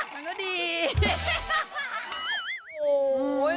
มันก็ดี